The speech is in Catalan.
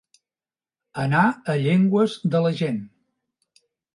Anar a llengües de la gent.